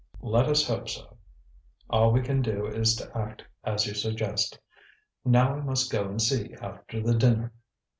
Let us hope so. All we can do is to act as you suggest. Now I must go and see after the dinner."